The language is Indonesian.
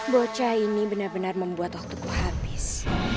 bocah ini benar benar membuat waktuku habis